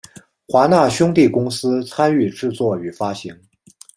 华纳兄弟公司参与制作与发行。